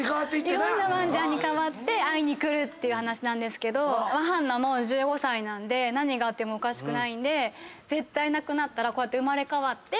いろんなワンちゃんに変わって会いに来るって話なんですけどはんなもう１５歳なんで何があってもおかしくないんで亡くなったら生まれ変わって。